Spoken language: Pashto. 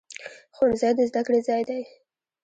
ښوونځی د زده کړې ځای دی